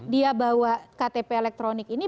dia bawa ktp elektronik ini